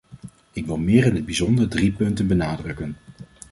Ik wil meer in het bijzonder drie punten benadrukken.